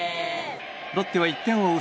ロッテは１点を追う